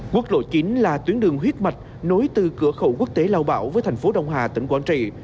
quốc lộ chín là tuyến đường huyết mạch nối từ cửa khẩu quốc tế lao bảo với thành phố đông hà tỉnh quảng trị